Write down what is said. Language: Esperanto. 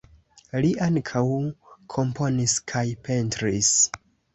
Li ankaŭ komponis kaj pentris.